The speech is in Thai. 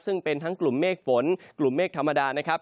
ซึ่งเป็นทั้งกลุ่มเมฆฝนกลุ่มเมฆธรรมดานะครับ